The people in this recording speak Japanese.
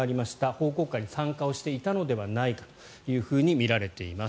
報告会に参加していたのではないかとみられています。